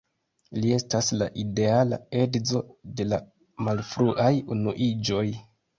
Li estas la ideala edzo de la malfruaj unuiĝoj.